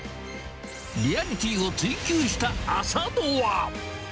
リアリティーを追求した浅野は。